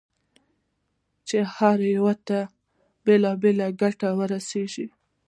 چې هر یوه ته بېلابېلې ګټې ورسېږي.